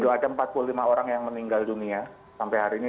doa ada empat puluh lima orang yang meninggal dunia sampai hari ini